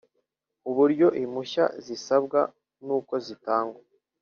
Uburyo impushya zisabwa n uko zitangwa